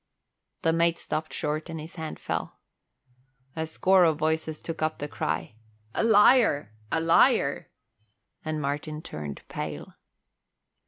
The mate stopped short and his hand fell. A score of voices took up the cry "A liar! A liar!" and Martin turned pale.